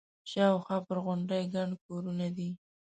شاوخوا پر غونډۍ ګڼ کورونه دي.